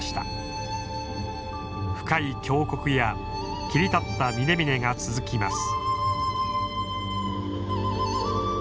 深い峡谷や切り立った峰々が続きます。